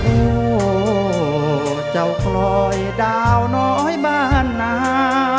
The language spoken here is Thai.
โอ้โหเจ้ากลอยดาวน้อยบ้านนา